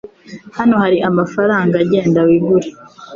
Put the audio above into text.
Hano hari amafaranga. Genda wigure.